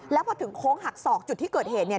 แล้วพอถึงโค้งหักศอกจุดที่เกิดเหตุเนี่ย